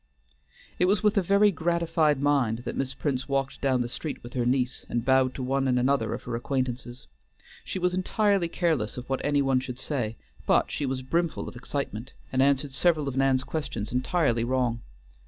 It was with a very gratified mind that Miss Prince walked down the street with her niece and bowed to one and another of her acquaintances. She was entirely careless of what any one should say, but she was brimful of excitement, and answered several of Nan's questions entirely wrong.